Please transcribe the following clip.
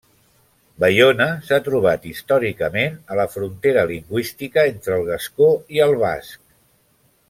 Baiona s'ha trobat històricament a la frontera lingüística entre el gascó i el basc.